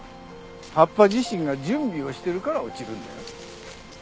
葉っぱ自身が準備をしてるから落ちるんだよ。